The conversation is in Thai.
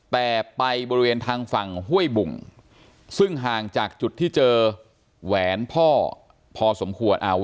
แต่ไปบริเวณทางฝั่งห้วยบุ่งซึ่งห่างจากจุดที่เจอแหวนพ่อพอสมควรเอา